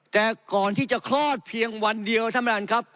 แต่ก่อนที่จะคลอดเพียงวันเดียวท่านประธานครับ